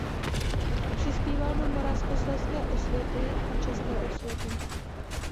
Přispíval do Moravskoslezské osvěty a České osvěty.